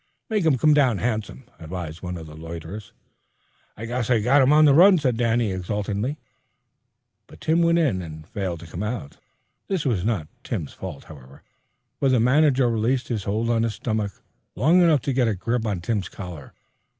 "Make him come down handsome," advised one of the loiterers. "I guess I got 'em on the run," said Danny exultingly. But Tim went in and failed to come out. This was not Tim's fault, however, for the manager released his hold on his stomach long enough to get a grip on Tim's collar.